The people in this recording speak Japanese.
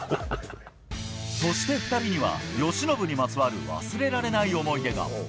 そして２人には、由伸にまつわる忘れられない思い出が。